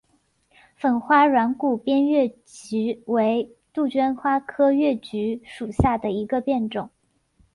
粉花软骨边越桔为杜鹃花科越桔属下的一个变种。